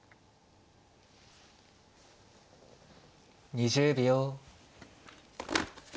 ２０秒。